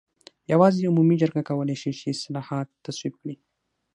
یوازې عمومي جرګه کولای شي چې اصلاحات تصویب کړي.